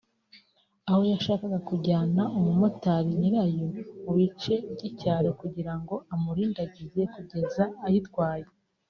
aho yashakaga kujyana umumotari nyirayo mu bice by’icyaro kugira ngo amurindagize kugeza ayitwaye